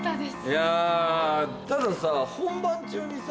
いやあたださ本番中にさ